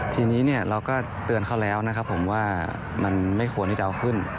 ทีนี้เราก็เตือนเขาแล้วนะครับผมว่ามันไม่ควรที่จะเอาขึ้น